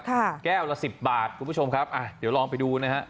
แก้วละสิบบาทคุณผู้ชมครับอ่ะเดี๋ยวลองไปดูนะฮะ